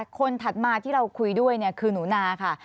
ถัดมาที่เราคุยด้วยคือหนูนาค่ะ